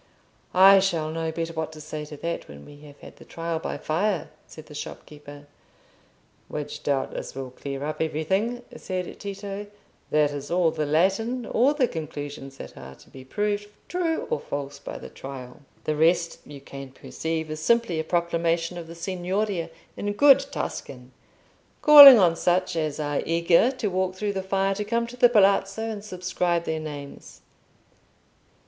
"I shall know better what to say to that when we have had the Trial by Fire," said the shopkeeper. "Which doubtless will clear up everything," said Tito. "That is all the Latin—all the conclusions that are to be proved true or false by the trial. The rest you can perceive is simply a proclamation of the Signoria in good Tuscan, calling on such as are eager to walk through the fire, to come to the Palazzo and subscribe their names.